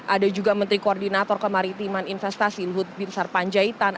ada juga menteri koordinator kemaritiman investasi luhut bin sarpanjaitan